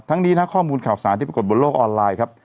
นี้นะข้อมูลข่าวสารที่ปรากฏบนโลกออนไลน์ครับ